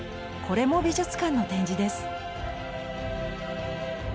これも美術館の展示です。